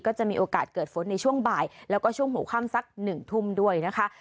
จะมีโอกาสเกิดฝนในช่วงบ่ายแล้วก็ช่วงหัวค่ำสักหนึ่งทุ่มด้วยนะคะ